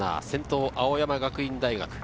先頭・青山学院大学。